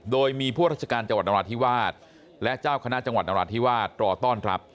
โดยมีผู้ราชการจังหวัดนราธิวาสและเจ้าคณะจังหวัดนราธิวาสรอต้อนรับ